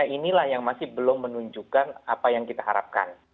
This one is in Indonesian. inilah yang masih belum menunjukkan apa yang kita harapkan